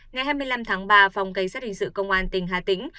ngày hai mươi năm tháng ba phòng cảnh sát hình sự công an tỉnh hà tĩnh